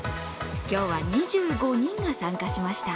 今日は２５人が参加しました。